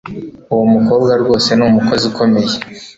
Uwo mukobwa rwose ni umukozi ukomeye